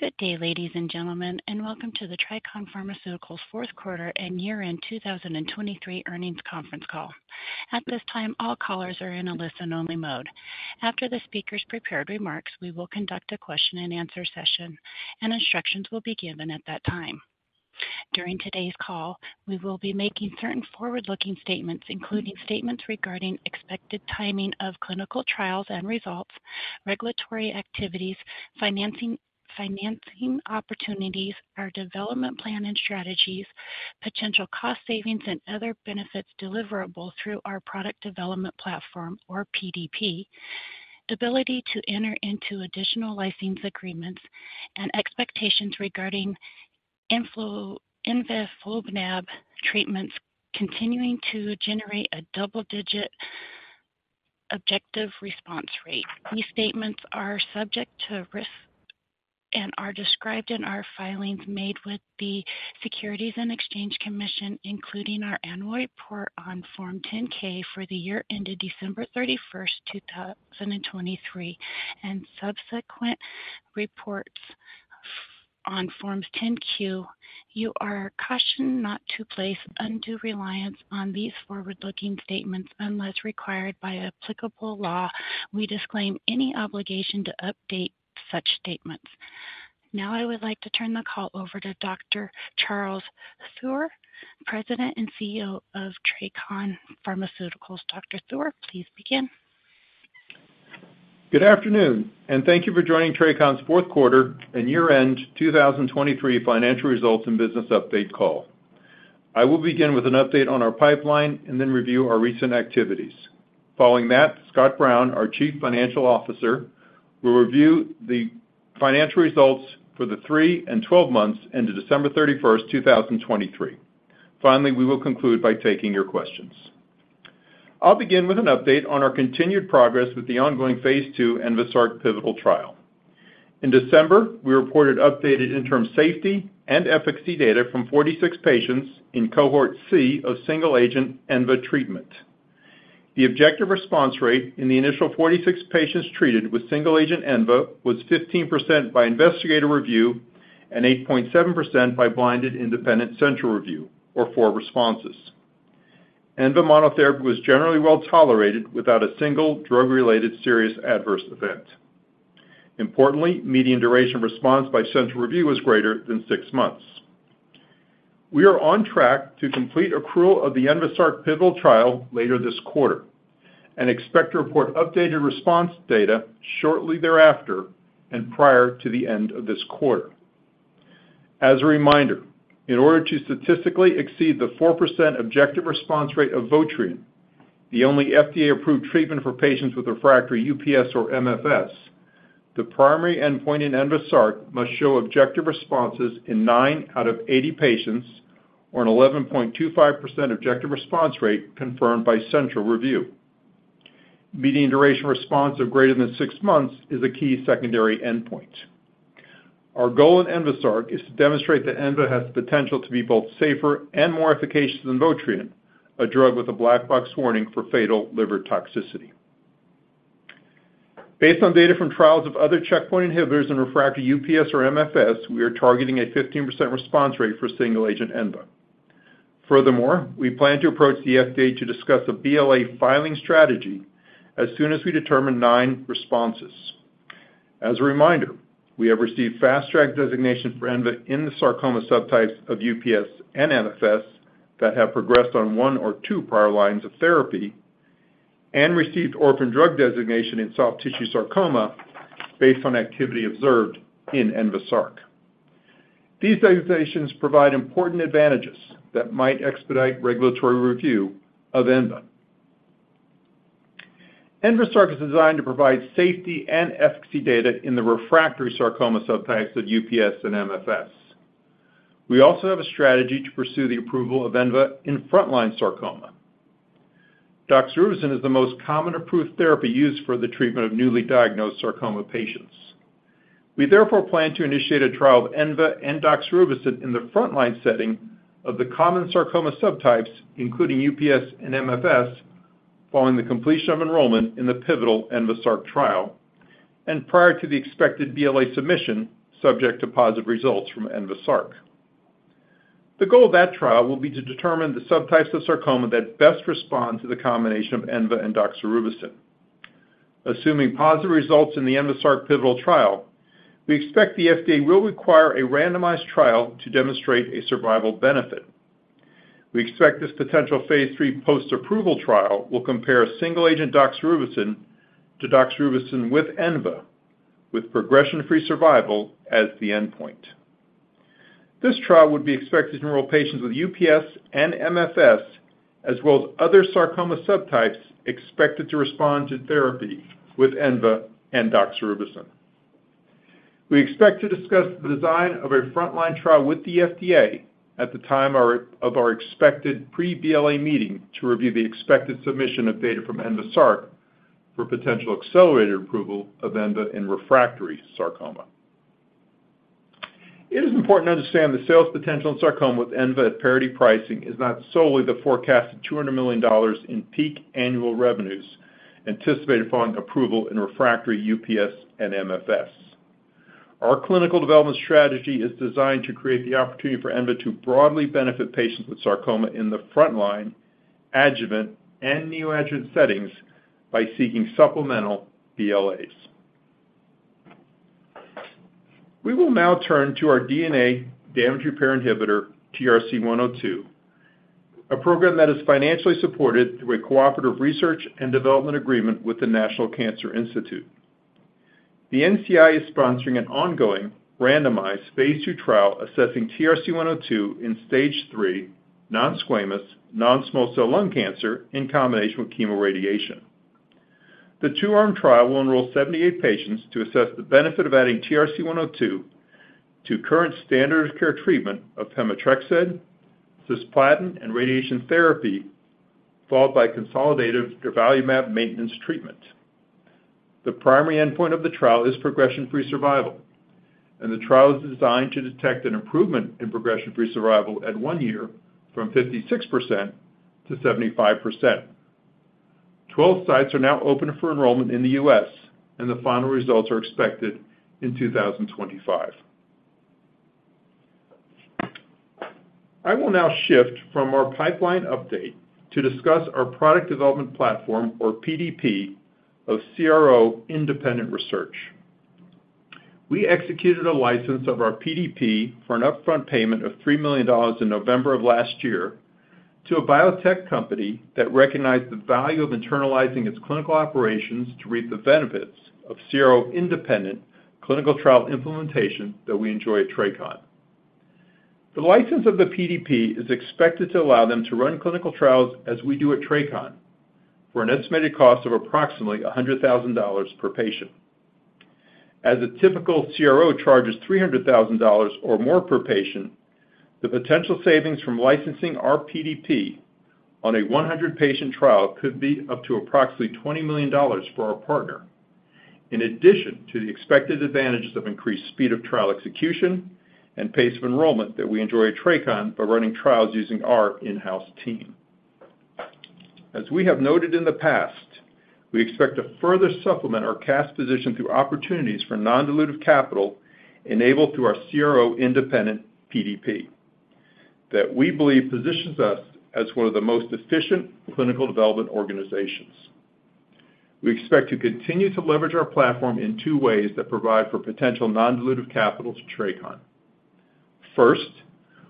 Good day, ladies and gentlemen, and welcome to the TRACON Pharmaceuticals fourth quarter and year-end 2023 earnings conference call. At this time, all callers are in a listen-only mode. After the speaker's prepared remarks, we will conduct a question-and-answer session, and instructions will be given at that time. During today's call, we will be making certain forward-looking statements, including statements regarding expected timing of clinical trials and results, regulatory activities, financing, financing opportunities, our development plan and strategies, potential cost savings and other benefits deliverable through our product development platform or PDP. The ability to enter into additional licensing agreements and expectations regarding envafolimab treatments continuing to generate a double-digit objective response rate. These statements are subject to risks and are described in our filings made with the Securities and Exchange Commission, including our annual report on Form 10-K for the year ended December 31, 2023, and subsequent reports on Forms 10-Q. You are cautioned not to place undue reliance on these forward-looking statements unless required by applicable law. We disclaim any obligation to update such statements. Now, I would like to turn the call over to Dr. Charles Theuer, President and CEO of TRACON Pharmaceuticals. Dr. Theuer, please begin. Good afternoon, and thank you for joining TRACON's fourth quarter and year-end 2023 financial results and business update call. I will begin with an update on our pipeline and then review our recent activities. Following that, Scott Brown, our Chief Financial Officer, will review the financial results for the three and twelve months ended December 31st, 2023. Finally, we will conclude by taking your questions. I'll begin with an update on our continued progress with the ongoing Phase II envaSARC pivotal trial. In December, we reported updated interim safety and efficacy data from 46 patients in cohort C of single-agent enva treatment. The objective response rate in the initial 46 patients treated with single-agent enva was 15% by investigator review and 8.7% by blinded independent central review, or four responses. Envafolimab monotherapy was generally well-tolerated without a single drug-related serious adverse event. Importantly, median duration response by central review was greater than six months. We are on track to complete accrual of the ENVASARC pivotal trial later this quarter and expect to report updated response data shortly thereafter and prior to the end of this quarter. As a reminder, in order to statistically exceed the 4% objective response rate of Votrient, the only FDA-approved treatment for patients with refractory UPS or MFS, the primary endpoint in ENVASARC must show objective responses in 9 patients out of 80 patients, or an 11.25% objective response rate confirmed by central review. Median duration response of greater than six months is a key secondary endpoint. Our goal in ENVASARC is to demonstrate that enva has the potential to be both safer and more efficacious than Votrient, a drug with a Black Box Warning for fatal liver toxicity. Based on data from trials of other checkpoint inhibitors in refractory UPS or MFS, we are targeting a 15% response rate for single-agent enva. Furthermore, we plan to approach the FDA to discuss a BLA filing strategy as soon as we determine nine responses. As a reminder, we have received Fast Track designation for enva in the sarcoma subtypes of UPS and MFS that have progressed on one or two prior lines of therapy and received Orphan Drug Designation in soft tissue sarcoma based on activity observed in ENVASARC. These designations provide important advantages that might expedite regulatory review of enva. ENVASARC is designed to provide safety and efficacy data in the refractory sarcoma subtypes of UPS and MFS. We also have a strategy to pursue the approval of enva in frontline sarcoma. Doxorubicin is the most common approved therapy used for the treatment of newly diagnosed sarcoma patients. We, therefore, plan to initiate a trial of enva and doxorubicin in the frontline setting of the common sarcoma subtypes, including UPS and MFS, following the completion of enrollment in the pivotal ENVASARC trial and prior to the expected BLA submission, subject to positive results from ENVASARC. The goal of that trial will be to determine the subtypes of sarcoma that best respond to the combination of enva and doxorubicin. Assuming positive results in the ENVASARC pivotal trial, we expect the FDA will require a randomized trial to demonstrate a survival benefit. We expect this potential phase III post-approval trial will compare a single-agent doxorubicin to doxorubicin with enva, with progression-free survival as the endpoint. This trial would be expected to enroll patients with UPS and MFS, as well as other sarcoma subtypes expected to respond to therapy with enva and doxorubicin. We expect to discuss the design of a frontline trial with the FDA at the time of our expected pre-BLA meeting to review the expected submission of data from ENVASARC for potential accelerated approval of enva in refractory sarcoma. It is important to understand the sales potential in sarcoma with ENVA at parity pricing is not solely the forecasted $200 million in peak annual revenues anticipated upon approval in refractory UPS and MFS. Our clinical development strategy is designed to create the opportunity for ENVA to broadly benefit patients with sarcoma in the frontline, adjuvant, and neoadjuvant settings by seeking supplemental BLAs. We will now turn to our DNA damage repair inhibitor, TRC102, a program that is financially supported through a cooperative research and development agreement with the National Cancer Institute. The NCI is sponsoring an ongoing randomized phase II trial assessing TRC102 in stage III, non-squamous, non-small cell lung cancer in combination with chemoradiation. The 2-arm trial will enroll 78 patients to assess the benefit of adding TRC102 to current standard of care treatment of pemetrexed, cisplatin, and radiation therapy, followed by consolidated durvalumab maintenance treatment. The primary endpoint of the trial is progression-free survival, and the trial is designed to detect an improvement in progression-free survival at one year from 56%-75%. 12 sites are now open for enrollment in the U.S., and the final results are expected in 2025. I will now shift from our pipeline update to discuss our product development platform, or PDP, of CRO independent research. We executed a license of our PDP for an upfront payment of $3 million in November of last year to a biotech company that recognized the value of internalizing its clinical operations to reap the benefits of CRO independent clinical trial implementation that we enjoy at TRACON. The license of the PDP is expected to allow them to run clinical trials as we do at TRACON, for an estimated cost of approximately $100,000 per patient. As a typical CRO charges $300,000 or more per patient, the potential savings from licensing our PDP on a 100-patient trial could be up to approximately $20 million for our partner, in addition to the expected advantages of increased speed of trial execution and pace of enrollment that we enjoy at TRACON by running trials using our in-house team. As we have noted in the past, we expect to further supplement our cash position through opportunities for non-dilutive capital enabled through our CRO-independent PDP, that we believe positions us as one of the most efficient clinical development organizations. We expect to continue to leverage our platform in two ways that provide for potential non-dilutive capital to TRACON. First,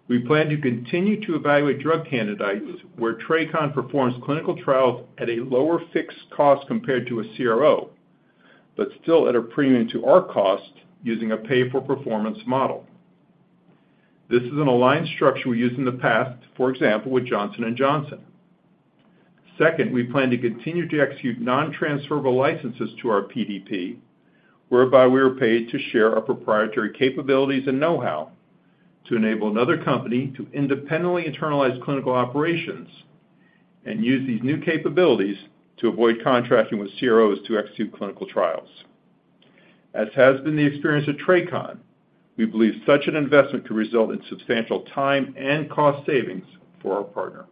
we plan to continue to evaluate drug candidates where TRACON performs clinical trials at a lower fixed cost compared to a CRO, but still at a premium to our cost using a pay-for-performance model. This is an aligned structure we used in the past, for example, with Johnson & Johnson. Second, we plan to continue to execute non-transferable licenses to our PDP, whereby we are paid to share our proprietary capabilities and know-how to enable another company to independently internalize clinical operations and use these new capabilities to avoid contracting with CROs to execute clinical trials. As has been the experience at TRACON, we believe such an investment could result in substantial time and cost savings for our partner.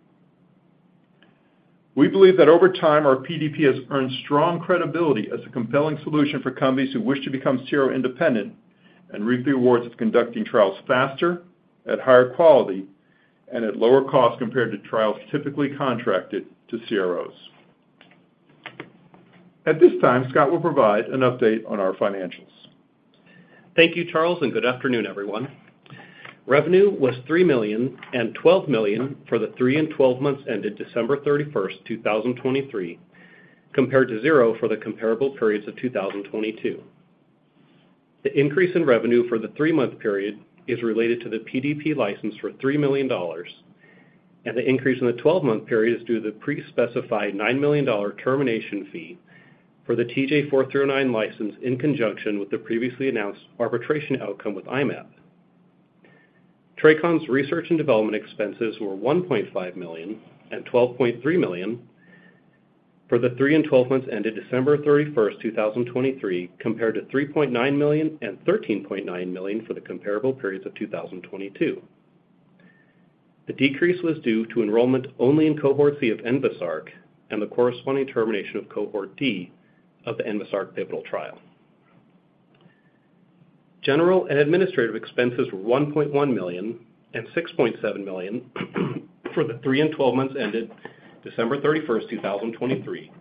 We believe that over time, our PDP has earned strong credibility as a compelling solution for companies who wish to become CRO independent and reap the rewards of conducting trials faster, at higher quality, and at lower cost compared to trials typically contracted to CROs. At this time, Scott will provide an update on our financials. Thank you, Charles, and good afternoon, everyone. Revenue was $3 million and $12 million for the three and twelve months ended December 31st, 2023, compared to $0 for the comparable periods of 2022. The increase in revenue for the three-month period is related to the PDP license for $3 million, and the increase in the twelve-month period is due to the pre-specified $9 million termination fee for the TJ4309 license, in conjunction with the previously announced arbitration outcome with I-Mab. TRACON's research and development expenses were $1.5 million and $12.3 million for the three and twelve months ended December 31st, 2023, compared to $3.9 million and $13.9 million for the comparable periods of 2022. The decrease was due to enrollment only in cohort C of ENVASARC and the corresponding termination of cohort D of the ENVASARC pivotal trial. General and administrative expenses were $1.1 million and $6.7 million for the 3-months and 12-months ended December 31st, 2023,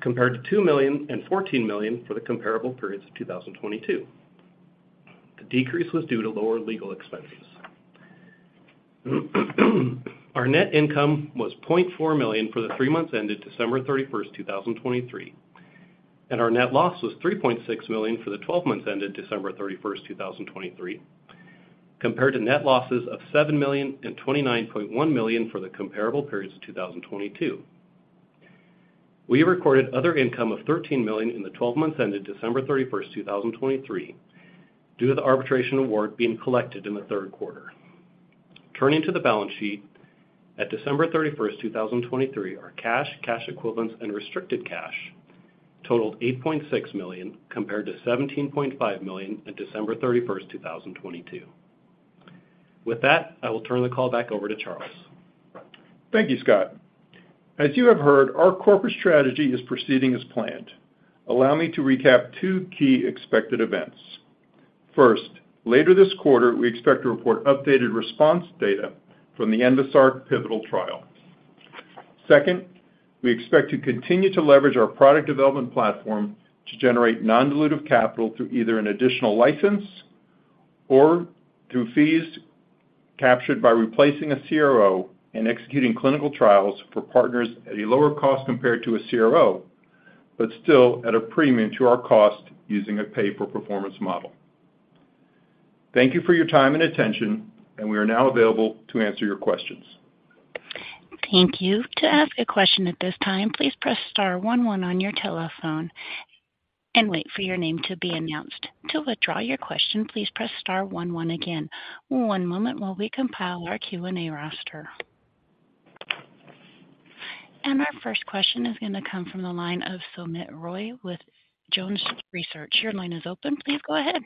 compared to $2 million and $14 million for the comparable periods of 2022. The decrease was due to lower legal expenses. Our net income was $0.4 million for the 3-months ended December 31st, 2023, and our net loss was $3.6 million for the 12-months ended December 31st, 2023, compared to net losses of $7 million and $29.1 million for the comparable periods of 2022. We recorded other income of $13 million in the twelve months ended December 31st, 2023, due to the arbitration award being collected in the third quarter. Turning to the balance sheet, at December 31st, 2023, our cash, cash equivalents, and restricted cash totaled $8.6 million, compared to $17.5 million at December 31st, 2022. With that, I will turn the call back over to Charles. Thank you, Scott. As you have heard, our corporate strategy is proceeding as planned. Allow me to recap two key expected events. First, later this quarter, we expect to report updated response data from the ENVASARC pivotal trial. Second, we expect to continue to leverage our product development platform to generate non-dilutive capital through either an additional license or through fees captured by replacing a CRO and executing clinical trials for partners at a lower cost compared to a CRO, but still at a premium to our cost using a pay-for-performance model. Thank you for your time and attention, and we are now available to answer your questions. Thank you. To ask a question at this time, please press star one, one on your telephone and wait for your name to be announced. To withdraw your question, please press star one, one again. One moment while we compile our Q&A roster. Our first question is going to come from the line of Soumit Roy with Jones Research. Your line is open. Please go ahead.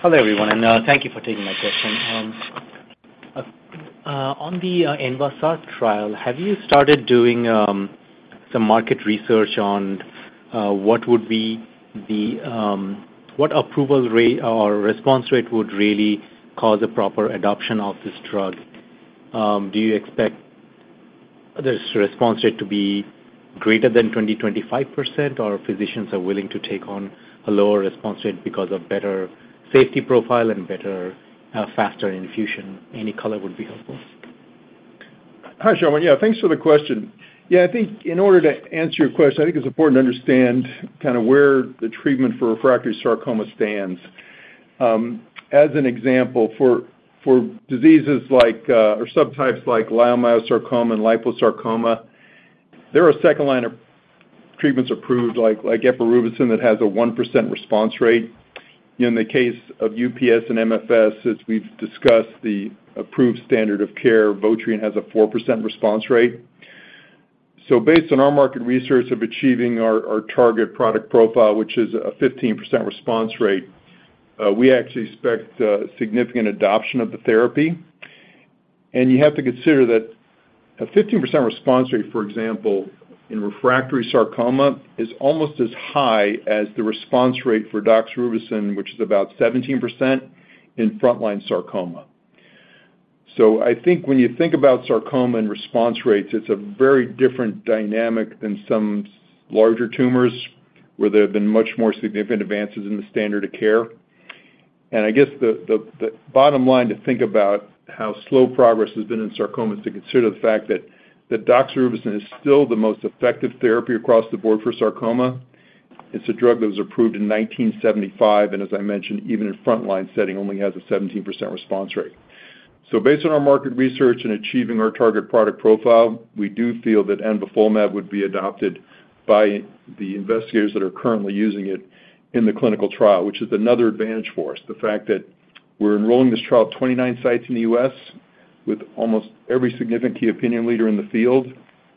Hello, everyone, and thank you for taking my question. On the ENVASARC trial, have you started doing some market research on what approval rate or response rate would really cause a proper adoption of this drug? Do you expect this response rate to be greater than 25%, or physicians are willing to take on a lower response rate because of better safety profile and better faster infusion? Any color would be helpful. Hi, Soumit. Yeah, thanks for the question. Yeah, I think in order to answer your question, I think it's important to understand kind of where the treatment for refractory sarcoma stands. As an example, for diseases like, or subtypes like leiomyosarcoma and liposarcoma, there are second-line treatments approved, like epirubicin, that has a 1% response rate. In the case of UPS and MFS, as we've discussed, the approved standard of care, Votrient, has a 4% response rate. So based on our market research of achieving our target product profile, which is a 15% response rate, we actually expect significant adoption of the therapy. And you have to consider that a 15% response rate, for example, in refractory sarcoma, is almost as high as the response rate for doxorubicin, which is about 17% in frontline sarcoma. So I think when you think about sarcoma and response rates, it's a very different dynamic than some larger tumors, where there have been much more significant advances in the standard of care. And I guess the bottom line to think about how slow progress has been in sarcoma is to consider the fact that the doxorubicin is still the most effective therapy across the board for sarcoma. It's a drug that was approved in 1975, and as I mentioned, even in frontline setting, only has a 17% response rate. So based on our market research in achieving our target product profile, we do feel that envafolimab would be adopted by the investigators that are currently using it in the clinical trial, which is another advantage for us. The fact that we're enrolling this trial at 29 sites in the U.S., with almost every significant key opinion leader in the field,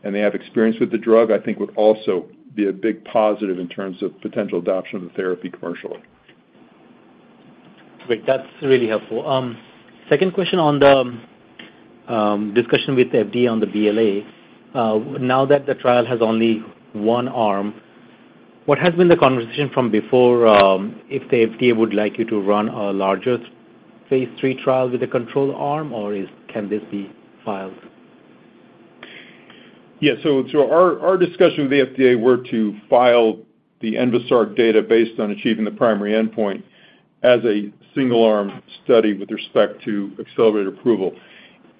and they have experience with the drug, I think would also be a big positive in terms of potential adoption of the therapy commercially. Great, that's really helpful. Second question on the discussion with the FDA on the BLA. Now that the trial has only 1 arm, what has been the conversation from before, if the FDA would like you to run a larger phase III trial with a control arm or is... can this be filed? Yeah, so our discussion with the FDA was to file the ENVASARC data based on achieving the primary endpoint as a single-arm study with respect to accelerated approval.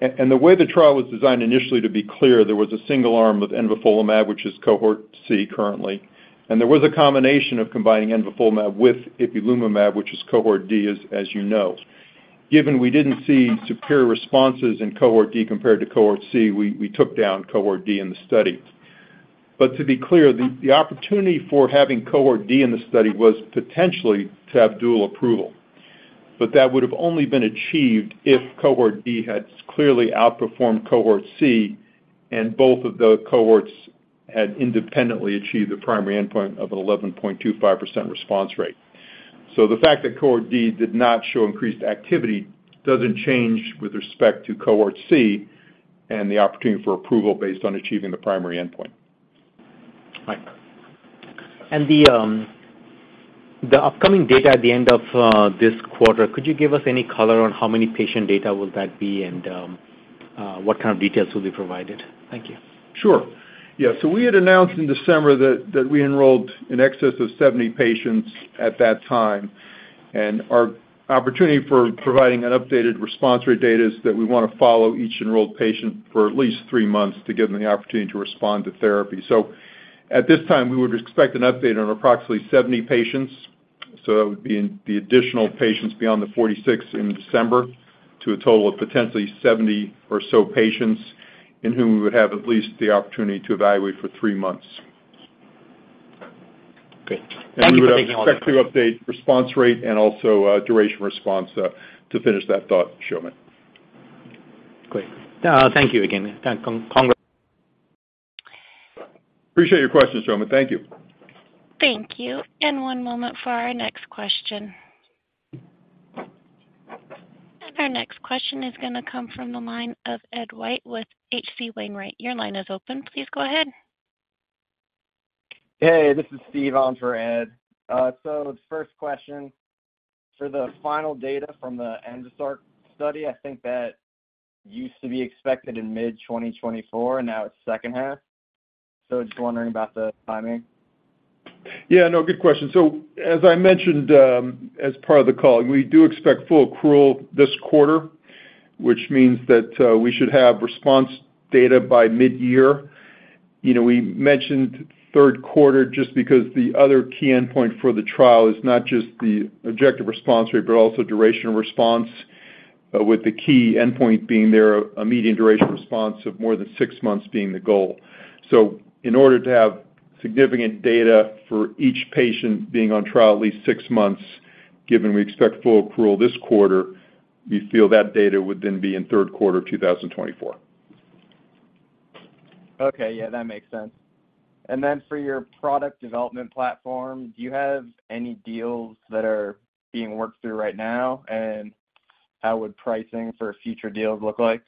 And the way the trial was designed initially, to be clear, there was a single arm of envafolimab, which is cohort C currently, and there was a combination of combining envafolimab with ipilimumab, which is cohort D, as you know. Given we didn't see superior responses in cohort D compared to cohort C, we took down cohort D in the study. But to be clear, the opportunity for having cohort D in the study was potentially to have dual approval, but that would have only been achieved if cohort D had clearly outperformed cohort C, and both of the cohorts had independently achieved the primary endpoint of an 11.25% response rate. The fact that cohort D did not show increased activity doesn't change with respect to cohort C and the opportunity for approval based on achieving the primary endpoint. Right. And the upcoming data at the end of this quarter, could you give us any color on how many patient data will that be and what kind of details will be provided? Thank you. Sure. Yeah, so we had announced in December that we enrolled in excess of 70 patients at that time, and our opportunity for providing an updated response rate data is that we want to follow each enrolled patient for at least three months to give them the opportunity to respond to therapy. So at this time, we would expect an update on approximately 70 patients, so that would be in the additional patients beyond the 46 in December, to a total of potentially 70 or so patients in whom we would have at least the opportunity to evaluate for three months.... Great. Thank you for taking all the questions. We would expect to update response rate and also, duration response, to finish that thought, Soumit. Great. Thank you again. Appreciate your questions, Soumit. Thank you. Thank you. And one moment for our next question. Our next question is gonna come from the line of Ed White with H.C. Wainwright. Your line is open. Please go ahead. Hey, this is Steve on for Ed. So the first question, for the final data from the ENVASARC study, I think that used to be expected in mid-2024, and now it's second half. So just wondering about the timing. Yeah, no, good question. So as I mentioned, as part of the call, we do expect full accrual this quarter, which means that we should have response data by midyear. You know, we mentioned third quarter just because the other key endpoint for the trial is not just the objective response rate, but also duration response, with the key endpoint being a median duration response of more than six months being the goal. So in order to have significant data for each patient being on trial at least six months, given we expect full accrual this quarter, we feel that data would then be in third quarter of 2024. Okay. Yeah, that makes sense. And then for your Product Development Platform, do you have any deals that are being worked through right now? And how would pricing for future deals look like?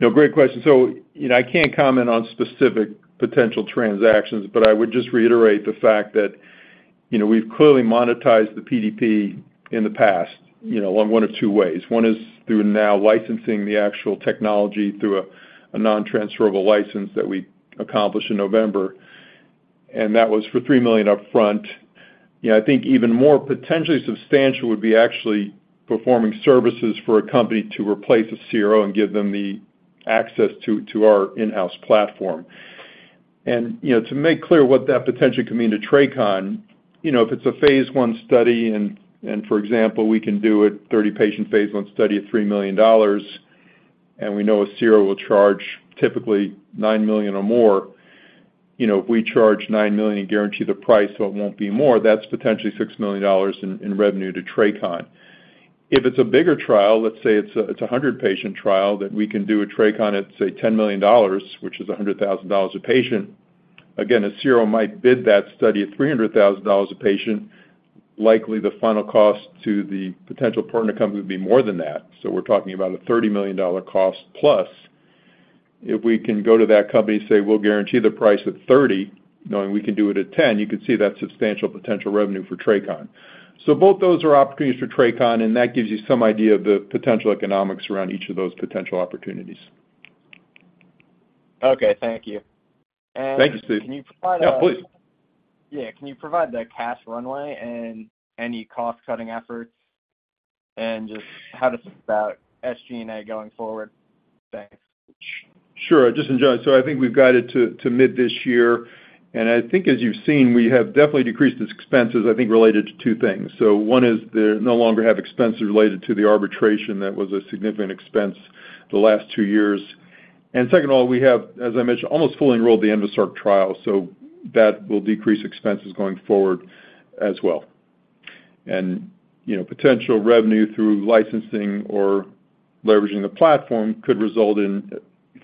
No, great question. So, you know, I can't comment on specific potential transactions, but I would just reiterate the fact that, you know, we've clearly monetized the PDP in the past, you know, on one of two ways. One is through now licensing the actual technology through a non-transferable license that we accomplished in November, and that was for $3 million upfront. You know, I think even more potentially substantial would be actually performing services for a company to replace a CRO and give them the access to our in-house platform. You know, to make clear what that potentially could mean to TRACON, you know, if it's a phase I study, and for example, we can do a 30-patient phase I study at $3 million, and we know a CRO will charge typically $9 million or more, you know, if we charge $9 million and guarantee the price, so it won't be more, that's potentially $6 million in revenue to TRACON. If it's a bigger trial, let's say it's a 100-patient trial that we can do at TRACON at, say, $10 million, which is $100,000 a patient, again, a CRO might bid that study at $300,000 a patient. Likely the final cost to the potential partner company would be more than that. So we're talking about a $30 million cost plus. If we can go to that company and say, "We'll guarantee the price at $30," knowing we can do it at $10, you could see that's substantial potential revenue for TRACON. So both those are opportunities for TRACON, and that gives you some idea of the potential economics around each of those potential opportunities. Okay, thank you. Thank you, Steve. Can you provide a- Yeah, please. Yeah, can you provide the cash runway and any cost-cutting efforts? Just how about SG&A going forward? Thanks. Sure, just in general. So I think we've got it to mid this year, and I think as you've seen, we have definitely decreased expenses, I think, related to two things. So one is the no longer have expenses related to the arbitration. That was a significant expense the last two years. And second of all, we have, as I mentioned, almost fully enrolled the ENVASARC trial, so that will decrease expenses going forward as well. And, you know, potential revenue through licensing or leveraging the platform could result in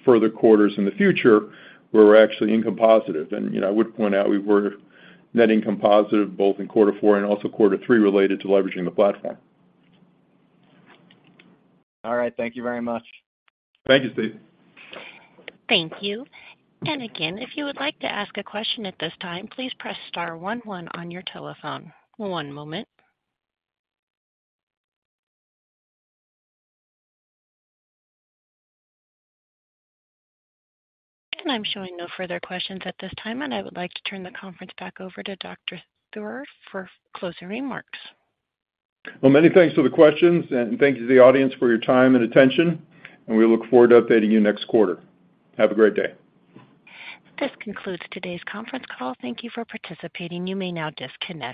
further quarters in the future, where we're actually income positive. And, you know, I would point out we were net income positive both in quarter four and also quarter three related to leveraging the platform. All right. Thank you very much. Thank you, Steve. Thank you. And again, if you would like to ask a question at this time, please press star one one on your telephone. One moment. And I'm showing no further questions at this time, and I would like to turn the conference back over to Dr. Theuer for closing remarks. Well, many thanks for the questions, and thank you to the audience for your time and attention, and we look forward to updating you next quarter. Have a great day. This concludes today's conference call. Thank you for participating. You may now disconnect.